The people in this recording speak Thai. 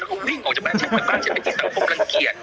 แล้วเขาวิ่งออกจากบ้านฉันไปบ้านฉันไปกินตังค์กำลังเกียจ